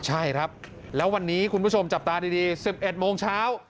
ใช่ครับแล้ววันนี้คุณผู้ชมจับตาดี๑๑โมงเช้า